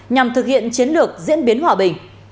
nhằm thực hiện chiến lược diễn biến hòa bình